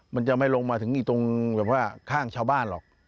มันจะไม่ลงมาถึงอีกตรงแบบว่าข้างชาวบ้านหรอก